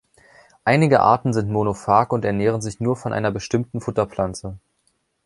Einige Arten sind monophag und ernähren sich nur von einer bestimmten Futterpflanze.